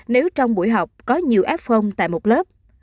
nếu trong buổi học có nhiều fong tại một lớp